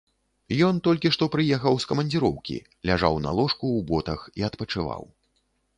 Ён толькі што прыехаў з камандзіроўкі, ляжаў на ложку ў ботах і адпачываў.